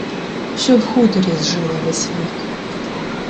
Що в хуторі зжила ввесь вік.